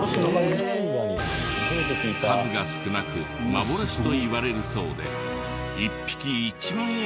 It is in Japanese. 数が少なく幻といわれるそうで１匹１万円以上する事も。